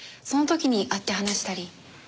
その時に会って話したり。